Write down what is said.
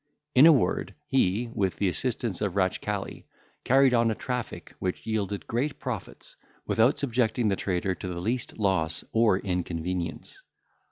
In a word, he, with the assistance of Ratchcali, carried on a traffic, which yielded great profits, without subjecting the trader to the least loss or inconvenience.